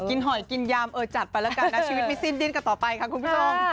หอยกินยามเออจัดไปแล้วกันนะชีวิตไม่สิ้นดิ้นกันต่อไปค่ะคุณผู้ชม